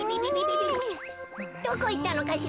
どこいったのかしらべ。